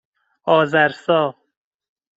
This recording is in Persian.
آذرسا